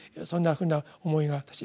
そんなふうな思いが私